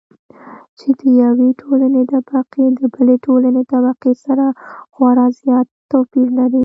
چې د يوې ټولنې طبقې د بلې ټولنې طبقې سره خورا زيات توپېر لري.